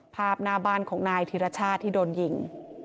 ภาพหน้าบ้านของนายธิรชาติที่โดนยิง